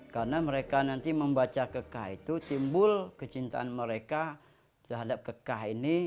karena mereka nanti membaca kekah itu timbul kecintaan mereka terhadap kekah ini